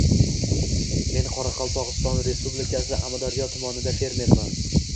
Men Qoraqalpog'iston Respublikasi Amudaryo tumanida fermerman